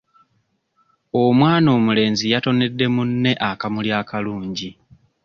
Omwana omulenzi yatonedde munne akamuli akalungi.